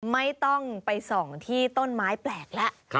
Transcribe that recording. ไม่ต้องไปส่องที่ต้นไม้แปลกแล้ว